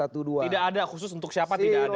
tidak ada khusus untuk siapa tidak ada